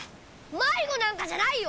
まいごなんかじゃないよ！